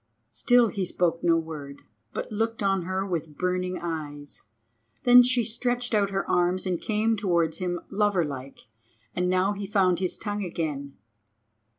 Still he spoke no word, but looked on her with burning eyes. Then she stretched out her arms and came towards him lover like. And now he found his tongue again.